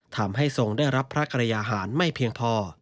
ทรงได้รับพระกรยาหารไม่เพียงพอ